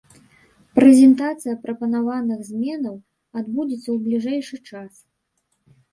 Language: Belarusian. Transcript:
Прэзентацыя прапанаваных зменаў адбудзецца ў бліжэйшы час.